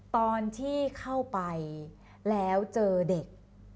ตอนที่เข้าไปแล้วเจอเด็ก